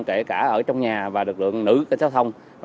kể cả ở trong nhà và lực lượng nữ cảnh sát thông